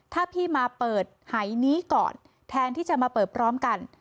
ถ้าพี่มาเปิดหายนี้ก่อนแทนที่จะมาเปิดพร้อมกัน